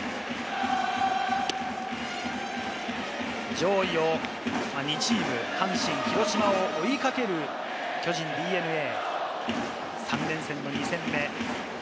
上位の２チーム、阪神、広島を追いかける巨人対ＤｅＮＡ、３連戦の２戦目。